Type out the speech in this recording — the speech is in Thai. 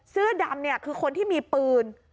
เสื้อดำเนี่ยคือคนที่มีปืน